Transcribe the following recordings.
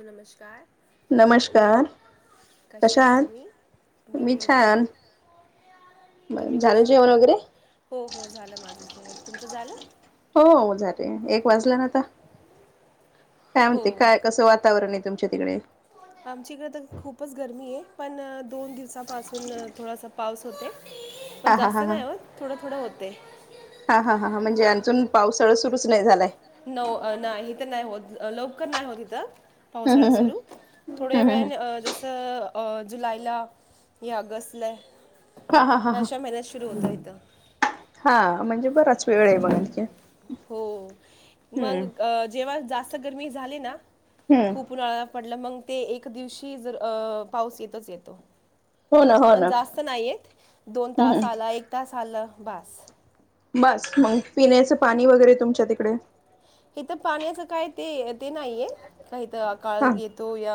नमस्कार कसे आहेस तुम्ही मी मी बरे तुम्ही क हो हो झालं माझं जीवन तुमचं झालं हो हो जाते एक वाजला नाता काय म्हणते काय कसं वातावरण आहे तुमच तिकडे पण दोन दिवसापासून थोडासा पाऊस होते पण जास्त काय म थोडं थोडं होते अजून पावसाळा सुरुच नाही झालाय न नाहीथ नाही होत लवकर नाही होत तिथं पावसाळा्या सुरू थोड्या वेळने जसं जुलायला या अगस्टला हाशा महिन्यात सुरू होन जायथं हा म्हणजे बराच वेळ आहे मग आणखी हो, मंग जेव्हा जा [unintelligible] आता गरमी झाली ना? खूप उन्हाळ्याला पडलं मंग ते एक दिवशी जर अं पाऊस येतोच येतो. पण जास्त नाहीयेत, दोन तास आला, एक तास खाल्ल बास बास मंग पिण्याचं पाणी वगैरे तुमच्या तिकडे हे तर पाण्याचं काय ते, ते नाहीये, काही तर काळ येतो या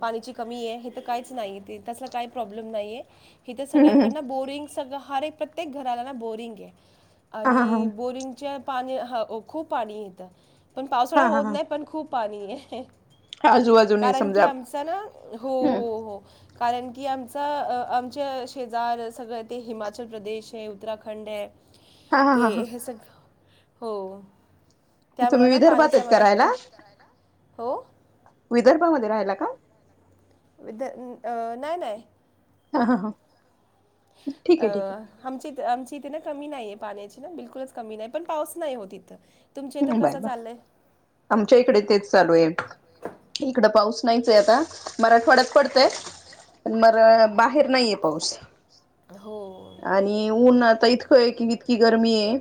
पाणीची कमी आहे हे तर काहीच नाही, तसला काही प्रॉब्लेम नाहीये हिथं सगळ्यांकडं ना बोरिंग सगळं, हर एक प्रत्येक घराला ना बोअरिंग आहे. आणि बोरिंगचे पाणी हं, ओ खूप पाणी आहे त - पण पावसाळा होत नाही, पण खूप पाणी आहे. कारण की आमच ना? हो हो हो कारण की आमचा, अं अ आमच्या शेजार सगळं ते हिमाचल प्रदेश आहे, उत्तराखंड आहे. ते हे सग - हो तुम्ही विदर्भातच का राहायला? विदर्भामध्ये राहायला का? वि [unintelligible] अं नाही नाही हां हां हा अ आमची [unintelligible] आमची इथे ना कमी नाहीये पाण्याची ना बिलकुलच कमी नाही आहे, पण पाऊस नाही होत इथं. हम् बाय बा, आमच्या इकडे तेच चालू आहे, इकड पाऊस नाहीच आहे आता, मराठवाड्यात पडतय पण बाहेर नाहीये पाऊस आणि उन [unintelligible] ता इतकं आहे की इतकी गर्मी आहे,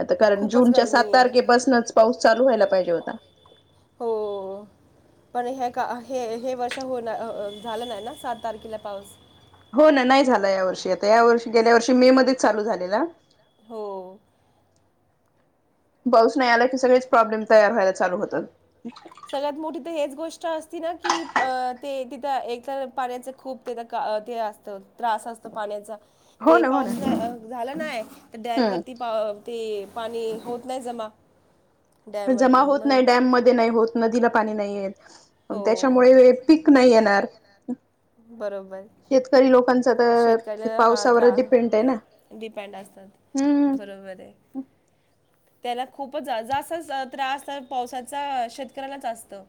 आता [unintelligible] जूनच्या सात तारखे पासनच पाऊस चालू व्हायला पाहिजे होता. का, हे हे वर्ष होणार, अं अं झालं नाही ना सात तारखेला पाऊस. हो ना नाही झाला या वर्षी, आता या वर्षी. गेल्या वर्षी मे मध्येच चालू झालेला. हो पाऊस नाही आला की, सगळेच प्रॉब्लेम तयार व्हायला चालू होतात सगळ्यात मोठी तर हीच गोष्ट असती ना की अ ते- त्या एक तर पाण्याच खूप त्याथ ते असतं त्रास असतो पाण्याचा. ते पाऊस झाला नाय डॅम वरती पा- ते -पाणी होत नाही जमा. जमा होत नाही. डॅम मधे नाही होत. नदीला पाणी नाही येत. त्याच्यामुळे पीक नाही येणार. ह शेतकरी लोकांचा तर पावसावरच डिपेंड आहे ना? हम्म- त्याला खूपच जाच जास्तच त्रास तर पावसाचा शेतकऱ्यालाच असतो.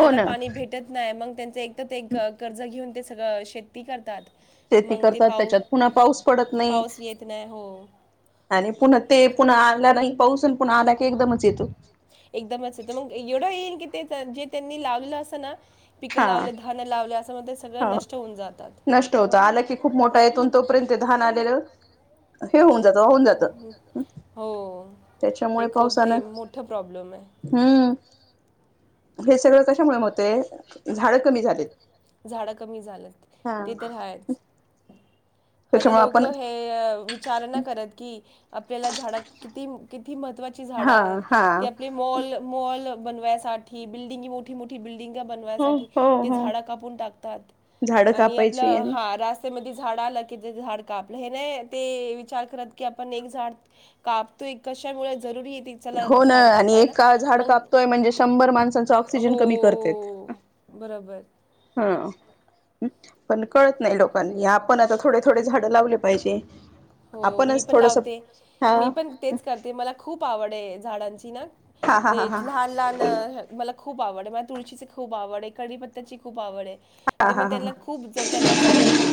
त्याला पाणी भेटत नाही. मग- त्यांचा एक एक कर्ज घेऊन ते सगळं शेती करतात शेती करतात त्याच्यात पुन्हा पाऊस पडत नाही आणि पुन्हा ते पुन्हा आला नाही पाऊस पुन आला एकदमच येतो एकदमच मग एवढं येईल की ते जे त्यांनी लावलं असं ना पिकं लावले धान लावले अस ह नष्ट होत आलं की खूप मोठा येथून तोपर्यंत धान आलेलं हो हे ख ते मोठ प्रॉब्लेम आहे हे सगळं कशामुळे होते झाड कमी झालेत झाडं कमी झालं ते तर हयच आता लोक हे विचारणा करत की आपल्याला झाडा किती किती महत्त्वाची झाडं आहेत ते आपले मॉल मॉल बनवाय साठीिडिंगी मोठी मोठी बिल्डिंग [unintelligible] बनवासाठी ते झाड कप आप झा आ की झा काप हे नाही ते विचार करत की आपण एक झाड कापतो कशामुळे हो ना आणि एक झाड कापतोय म्हणजे शंभर माणसांचा ऑक्सिजन कमी करते ह ह पण कळत नाही लोकांनी आपण आता थोडे थोडे झाड लावले पाहिजे हो मी पण लावते मी पण तेच करते मला खूप आवड आहे झाडांची ते लहान लहान मला खूप आवड तुळशीची खूप आवड आहे कढीपत्त्याची खूप आवड आहे. मी त्यां खूप त्यांना जपते त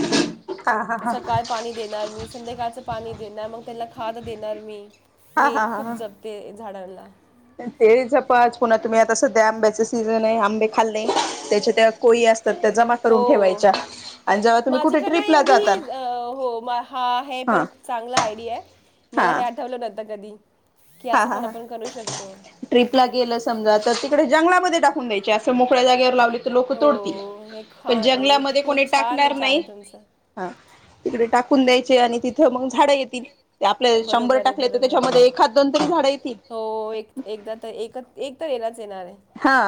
सकाळ पाणी देणार मी संध्याकाळचं पाणी देणार मग त्याला खात देणार मी मी खूप जपते झाडांला ते जपाच पुन्हा तुम्ही सध्या ते आंब्याचं आंब्याचा सिझन आहे आंबे खाल्ले त्याच्या त्या कोई असा हो माझ्याकडून एवढी हो हा हे पण चांगला आयडिया आहे मला हे आठवलं नव्हते कधी हा हा ट्रीपला गेलं समजा तर तिकडे जंगलामध्ये टाकून दयाच अस मोळ्या जागेवर लावली लोक तोडतील पण जंगलामध्ये कोणी टाकणार नाही हा तिकडे टाकून द्यायचे आणि तिथं मग झाडं येतील ते आपले शंभर टाकले तर त्याच्यामध्ये एखाद हो एकदा तर एक येथे तेराचे हा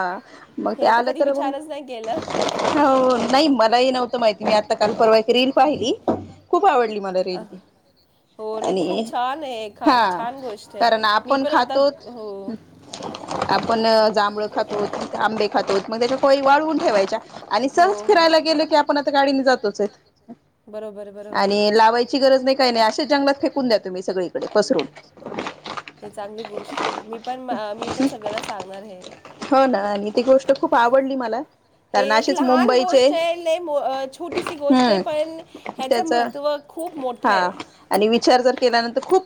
मग ते आलं तर मग हो नाही म नव्हते माहिती मी आता काल परवा एक यील पाहिली खूप खूप आवडली मला रिल आणि हा कारण आपण खातोच आपण जांभळे खातो आंबे खातो मग त्याच्या कोई वाळवून ठेवायच्या आणि सहज फिरायला गेल की आपण आता गाडीने जातो तोच आणि लावायची गरज नाही काही नाही आशेच जंगलात फेकून द्या तुम्ही सगळीकडे पसरून हे चांगली गोष्ट आहे मी पण मी पण सगळ्यांना सांगणार आहे हो ना आणि ती गोष्ट खूप आवड आवडली मला हे एक लहान गोष्ट आहे छोटीशी गोष्ट आहे पण ह्याच महत्त्व खूप मोठे आहे.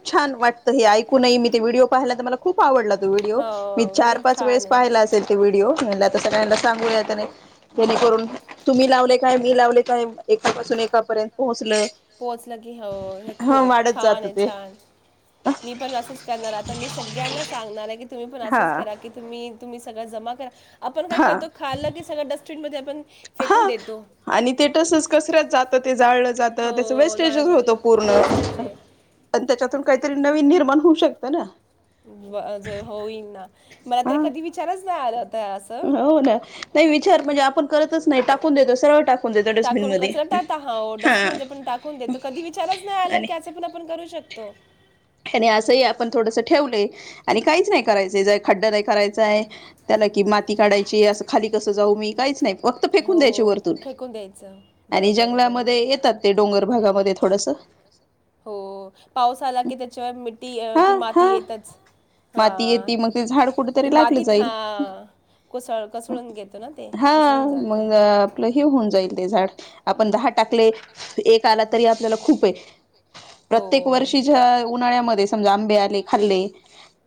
छान वाटत हे ऐकूनही मी ते व्हिडिओ पाहायला तर मला खूप आवडला व्हिडिओ मी चार पाच वेळेस पाहिला असेल ते व्हिडिओ तर सगळ्यांना सांगूया त्याने जेणेकरून तुम्ही लावले काय मी लावले काय एकापसून एकापर्यंत पोहोचलय पोहोचल की हो हे खू छान आहे छान मी पण असंच करणार आता मी सगळ्यांना सांगणार आहे की तुम्ही पण असंच करा की तुम्ही तुम्ही सगळं जमा करा आपण काय करतो खाल्लं की सगळ डस्ट [unintelligible] हा आणि ते तसच कसऱ्यात जात ते जाळलं त्या वेस्टेज होत पूर्ण त्याच्यातून काहीतरी नवीन निर्माण होऊ शकतं ना ज होईन ना मला तर कधी विचारच नाही आलं हो ना नाही विचार म्हणजे आपण करतच ताून देत सव टक टाकून कचरा टा हा डस्टबन म पण टाकून देतो कधी विचारच नाही आला की असं पण आपण करू शकतो. आणि असंही आपण थोडंसं ठेवलंय आणि काहीच नाही करायचंय ज खड्डं नाही करायचाय त्याला कि माती काढायची असं खाली कसं जाऊ मी काहीच नाही. वक्त फेकून द्यायचे वरतून आणि जंगलामध्ये येतात ते डोंगर भागामध्ये थोडसं हो पाऊस आला की त्याच्यावर मिट्टी माती येतच हा ती मातीत हा कोसळ कोसळून घेतो ना ते कोसळून जात. आपण दहा टाकले एक आला तरी आपल्याला खूप आहे. हो उन्हाळ्यामध्ये समजा आंबे आले खाल्ले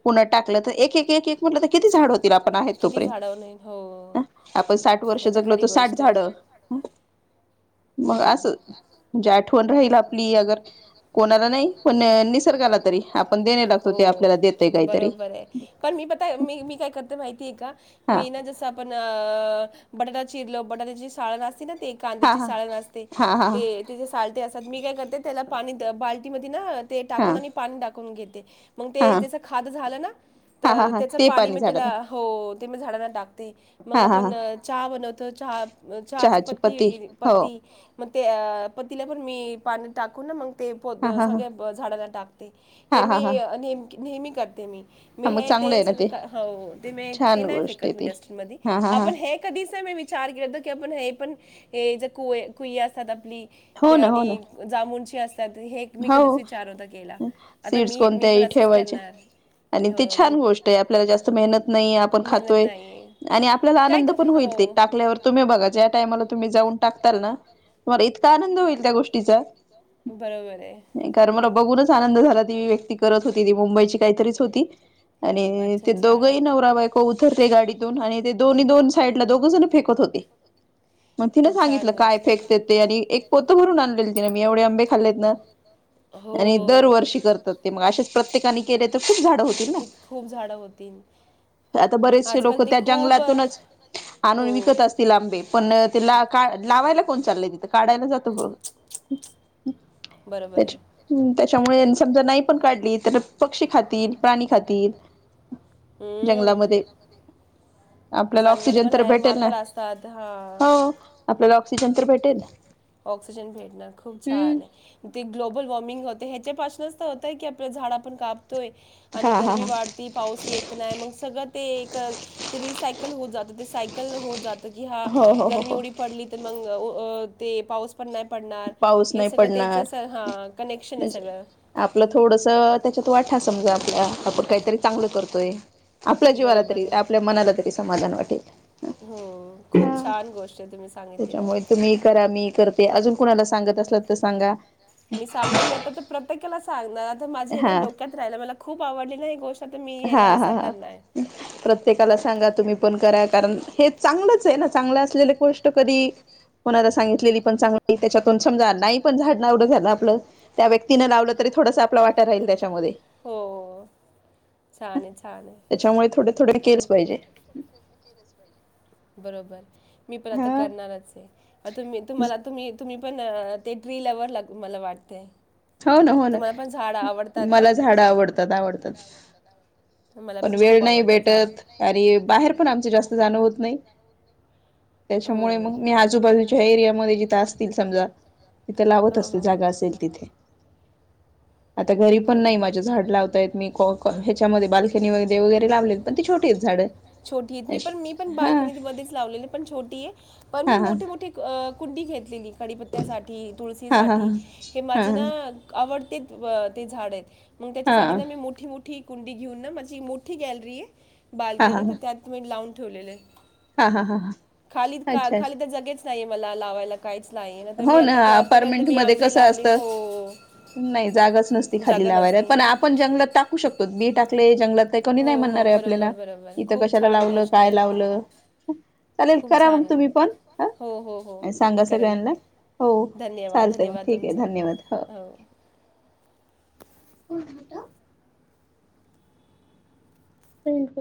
पुन टाकलं तर एक एक एक म्हटलं तर किती झाड होत त आपण आहेत तोपर्यंत आपण साठ वर्ष जगलो तर साठ झाड. मग असं आठवण राहील आपली अगर कोणाला नाही हो बरोबर आहे पण मी पता मी मी काय करते माहितीय का? मी ना जसा आपण बटाट चिरलो बटाट्याची सालं ना ते कांद्याची त्याची सालटे असतात मी काय करते त्याला पाणी आणि बालटी मध्ये ना ते टाकून आणि पाणी टाकून घेते मग ते ज्याचं खाद झालं ना तर त्याच पाणी मी त्याला हो ते मी झाडांना टाकते मग आपण चहा बनवतो चहा चहाची पत्ती पत्ती मग पत्तीला पण मी टाकून न मग ते पोत सगळ्या झाडांना टाकते, हे मी ने नेहमी करते मी मी हे ते सगळ हो ते म ते नाही फेकत मी डस्टबिन मध्ये आपण हे कधीच नाही मी विचार केला हो की आपण हे जर. कोय कुई असतात आपली. ते आणि जामूनणची असतात. हो सीड्स कोणत्याही ठेवायचे आणि ते छान गोष्ट आहे हो आपल्याला जास्त मेहनत नाही आपण खातोय आणि आपल्याला आनंद पण होईल ते टाकल्यावर तुम्ही बघा ज्या टायमाला तुम्ही जाऊन टाक बघालना तुमला इतका आनंद होईल त्या गोष्टीचा. नाही खरं मला बघूनच आनंद झाला ती व्यक्ती व्यक्ती करत होती. ती मुंबईची काहीतरीच होती. आणि ते दोघंही नवरा बायको उतरते गाडीतून आणि ते दोन्ही दोन साईड ला दोघ जण फेकत होते. मग तिनं सांगितलं काय फेकतते आणि एक पोतं भरून आणलेलं तिने मी एवढे आंबे. खाल्लेत ना. आणि दरवर्षी करतात, ते मग अशेच प्रत्येकाने केले तर खूप झाड होतील ना आता बरेचसे लोक त्या जंगलातूनच आणून विकत असतील आंबे पन तें लावला कोन चालत नही. काढायला जातो बघ. बरोबर आहे. त्यामुळे समजा नाही पण काढली, तर पक्षी खातील प्राणी खातील. हम्म जनावर पण आहे, माकड असतात हा. [unintelligible] ऑक्सिजन भेटण खूप छान आहे ते. ग्लोबल वॉर्मिंग होते, ह्याच्यापासूनच तर होतं की आपलं झाडं आपण काप तोय आणि गरमी वाढती, पाऊस येत नाही मग सगळं ते. ते रिसायकल हो जात, ते सायकल होत जात की हा गर्मी एवढी पडली तर मंग... अ. ते पाऊस पडण्या. पाऊस नाही पडणार म्हणजे आपलं थोडस त्याच्यात वाटा असतो. समजा आपल्या आपण काहीतरी चांगलं करतोय. आपल्या जीवाला तरी आपल्या मनाला तरी समाधान वाटत. रिकामा ऑडिओ हो खूप छान गोष्ट आहे तुम्ही त्याच्यामुळे तुम्ही करा मी करते अजून कुठलं? सांगत असलात त सांगा. मी सांगन म्हटलं तर प्रत्येक त्येला सांगणार. माझी हे ना डोक्यात राहिला मला खूप आवडली हीं गोष्ट हा हा ह प्रत्येकाला सांगा तुम्ही पण करा. कारण हे चांगलंच आहे ना चांगलं असलेली गोष्ट कधी कोणाला सांगितलेली पण चांगली त्याच्यातून समजा नाही पण झाड एवडं झालं आपलं त्या व्यक्तीने लावलं तरी थोडस आपला वाटा राहील त्याच्यात. टमध्ये. छानहाय छान. थोडे थोडे केलेच पाहिजे बरोबर. मी पण आता करणारच आहे तुम् तुम्हाला तुम्ही तुम्ही. पण ते ट्रिलवर मला वाटतय. हो ना हो ना मला झाड आवडतात आवडतात पण वेळ नाही भेटत आणि बाहेर पण आमच जास्त जाण होत नाही. त्याच्यामुळे मग मी आजूबाजू एरियामध्ये जिथं असतील समजा. तिथे लावत असते जागा असेल तिथे. आता घरी पण नाही माझे झाड लावतायेत मी ह्याच्यामध्ये बाल्कनी वगैरे लावलेत, पण ती छोटी आहेत झाडे. हा. पण मी मोठी, मोठी कुंडी घेतलेली. कडीपत्त्यासाठी, तुळशीसाठी हे माझे ना आवड ते व ते झाड आहेत. मग त्याच्यासाठी तर मी मोठी, मोठी कुंडी घेऊन ना माझी मोठी गॅलरी आहे. बाल्कनीत त्यात मी लावं ठेवलेलं आहे. हा हा हा हा. अच्छाच्छ. नाही मला लावायला. काहीच नाही ना तर मी आता आतापर्यंत मी आंबी लावली हो. नसती खाली लावायला पण आपण जंगलात टाकू शकतो ले जंगलात. आता कोणी नाही म्हणणार आहे आपल्याला इथं कशाला लावलं काय लावलं चालेल करा मग तुम्ही पण सांगा सगळ्यांना. हो. चालतं मग ठीक आहे. धन्यवाद. हो. त [inaudible] त [unintelligible]